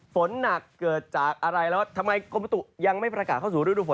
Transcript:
ฝนหนักเกิดจากอะไรแล้วทำไมกรมประตูยังไม่ประกาศเข้าสู่ฤดูฝน